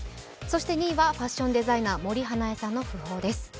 ２位はファッションデザイナー森英恵さんの訃報です。